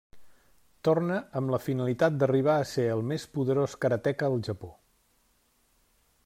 Torna amb la finalitat d'arribar a ser el més poderós karateka al Japó.